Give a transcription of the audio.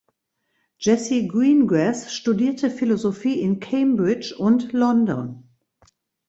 Jessie Greengrass studierte Philosophie in Cambridge und London.